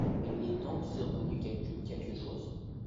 Mais il est donc survenu quelque chose ?…